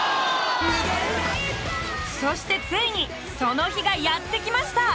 そしてついにその日がやって来ました！